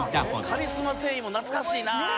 「カリスマ店員」も懐かしいな！